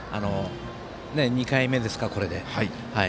２回目ですか、これで。